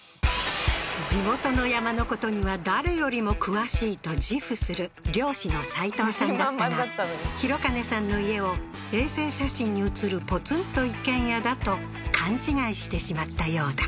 地元の山のことには誰よりも詳しいと自負する猟師の齋藤さんだったが廣兼さんの家を衛星写真に写るポツンと一軒家だと勘違いしてしまったようだ